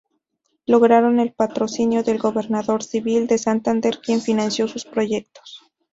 Lograron el patrocinio del gobernador civil de Santander, quien financió sus proyectos.